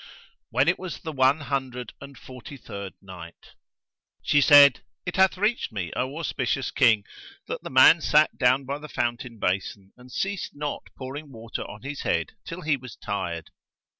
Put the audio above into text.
When it was the One Hundred and Forty third Night, She said, It hath reached me, O auspicious King, that the man sat down by the fountain basin and ceased not pouring water on his head till he was tired.